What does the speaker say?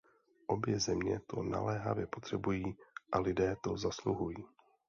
Obě země to naléhavě potřebují, a lidé to zasluhují.